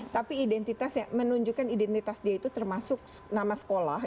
tapi identitasnya menunjukkan identitas dia itu termasuk nama sekolah